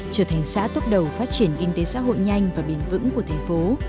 trở thành xã tốt đầu phát triển kinh tế xã hội nhanh và bền vững của thành phố